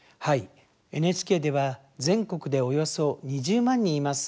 ＮＨＫでは全国でおよそ２０万人います